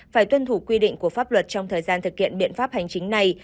phải tuân thủ quy định của pháp luật trong thời gian thực hiện biện pháp hành chính này